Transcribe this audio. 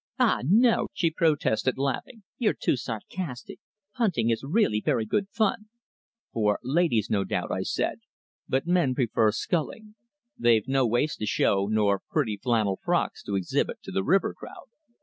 "Ah, no," she protested, laughing. "You're too sarcastic. Punting is really very good fun." "For ladies, no doubt," I said. "But men prefer sculling. They've no waists to show, nor pretty flannel frocks to exhibit to the river crowd."